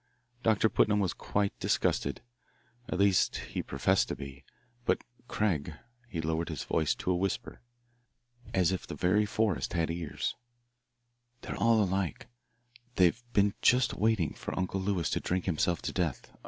Doctor Putnam was quite disgusted, at least he professed to be, but, Craig," he lowered his voice to a whisper, as if the very forest had ears, "they're all alike they've been just waiting for Uncle Lewis to drink himself to death.